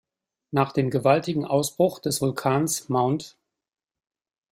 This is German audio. Nach dem gewaltigen Ausbruch des Vulkans Mt.